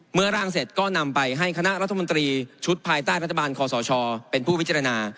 ร่างเสร็จก็นำไปให้คณะรัฐมนตรีชุดภายใต้รัฐบาลคอสชเป็นผู้พิจารณา